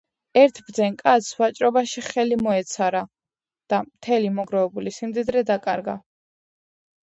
ერთ ბრძენ კაცს ვაჭრობაში ხელი მოეცარა და მთელი მოგროვებული სიმდიდრე დაკარგა